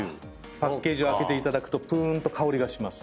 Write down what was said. パッケージを開けていただくとぷーんと香りがします。